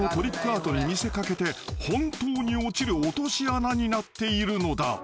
アートに見せかけて本当に落ちる落とし穴になっているのだ］